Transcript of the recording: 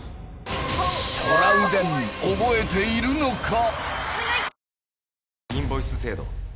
トラウデン覚えているのか？